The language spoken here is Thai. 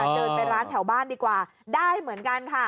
เดินไปร้านแถวบ้านดีกว่าได้เหมือนกันค่ะ